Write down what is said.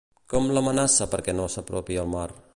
Com l'amenaça perquè no s'apropi al mar?